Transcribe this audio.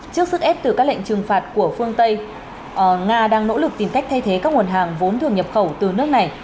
trước sức ép từ các lệnh trừng phạt của phương tây nga đang nỗ lực tìm cách thay thế các nguồn hàng vốn thường nhập khẩu từ nước này